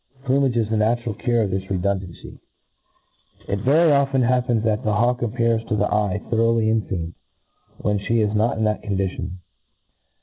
Plumage is the natural cure of this redundancy, Very often it happens that the hawk appears to the eye thoroughly enfeamed, when flic is not in that condition.